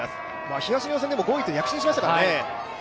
東の予選では５位と躍進しましたからね。